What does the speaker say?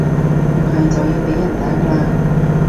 唔係就要被人打㗎喇